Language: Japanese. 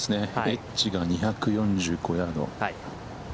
エッジが２４５ヤード。